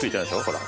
ほら。